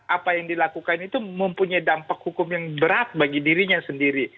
apa yang dilakukan itu mempunyai dampak hukum yang berat bagi dirinya sendiri